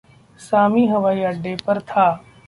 सामी हवाई अड्डे पर था।